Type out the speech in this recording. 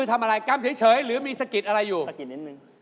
กล้ามเฉยหรือมีสกิดอะไรอยู่สกิดนิดนึง